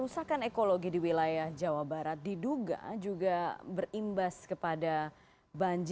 saat ini bergabung dari bandung